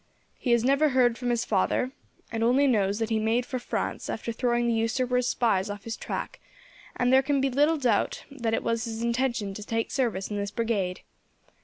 He has never heard from his father, and only knows that he made for France after throwing the usurper's spies off his track, and there can be little doubt that it was his intention to take service in this brigade.